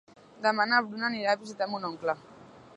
Demà na Bruna anirà a visitar mon oncle.